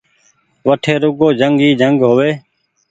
وٺي روڳو جنگ ئي جنگ هووي